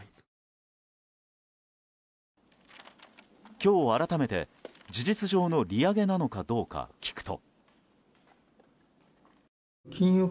今日、改めて、事実上の利上げなのかどうか聞くと。